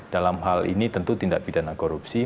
dalam hal ini tentu tindak pidana korupsi